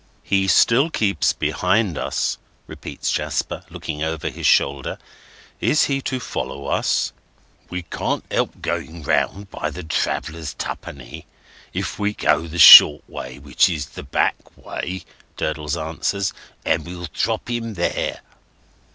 "He still keeps behind us," repeats Jasper, looking over his shoulder; "is he to follow us?" "We can't help going round by the Travellers' Twopenny, if we go the short way, which is the back way," Durdles answers, "and we'll drop him there."